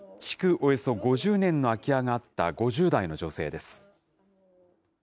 およそ５０年の空き家があった５０代の女性です。